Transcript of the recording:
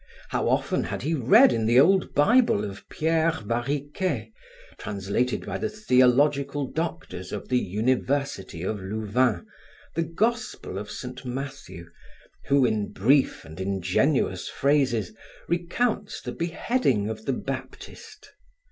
How often had he read in the old Bible of Pierre Variquet, translated by the theological doctors of the University of Louvain, the Gospel of Saint Matthew who, in brief and ingenuous phrases, recounts the beheading of the Baptist!